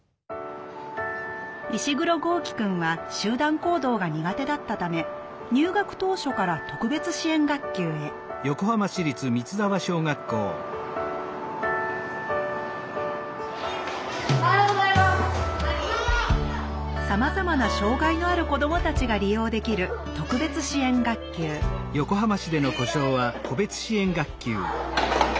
石黒豪輝くんは集団行動が苦手だったため入学当初から特別支援学級へさまざまな障害のある子どもたちが利用できる特別支援学級取材です。